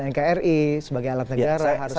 sebagai kebutuhan nkri sebagai alat negara harusnya